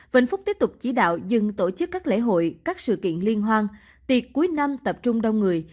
vĩnh phúc tiếp tục chỉ đạo dừng tổ chức các lễ hội các sự kiện liên hoan tiệc cuối năm tập trung đông người